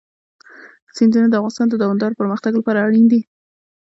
سیندونه د افغانستان د دوامداره پرمختګ لپاره اړین دي.